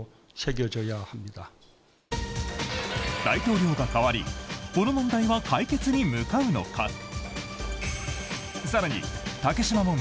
大統領が代わりこの問題は解決に向かうのか。